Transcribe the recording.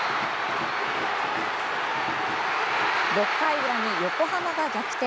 ６回裏に横浜が逆転。